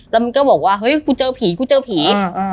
แล้วมันก็บอกว่าเฮ้ยกูเจอผีกูเจอผี